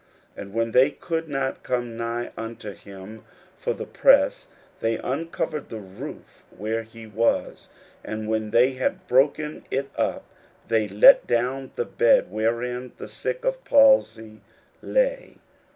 41:002:004 And when they could not come nigh unto him for the press, they uncovered the roof where he was: and when they had broken it up, they let down the bed wherein the sick of the palsy lay.